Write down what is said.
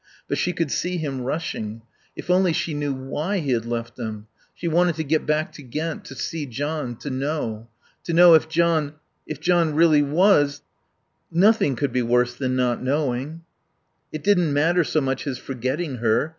But she could see him rushing. If only she knew why he had left them.... She wanted to get back to Ghent, to see John, to know. To know if John if John really was Nothing could be worse than not knowing. It didn't matter so much his forgetting her.